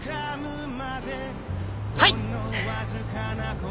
はい！